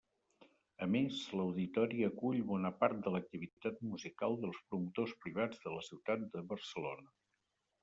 A més, l'Auditori acull bona part de l'activitat musical dels promotors privats de la ciutat de Barcelona.